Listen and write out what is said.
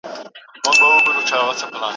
په هره لوېشت کي یې وتلي سپین او خړ تارونه